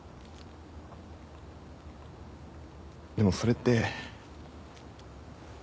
でもそれって。